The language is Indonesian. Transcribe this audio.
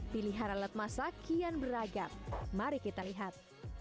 pilihan alat masak kian beragam mari kita lihat